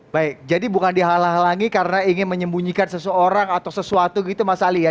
baik jadi bukan dihalang halangi karena ingin menyembunyikan seseorang atau sesuatu gitu mas ali ya